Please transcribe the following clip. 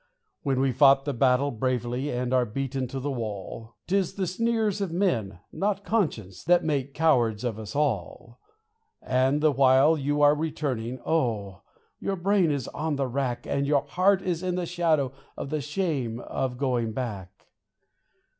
When we've fought the battle bravely and are beaten to the wall, 'Tis the sneers of men, not conscience, that make cowards of us all; And the while you are returning, oh! your brain is on the rack, And your heart is in the shadow of the shame of going back.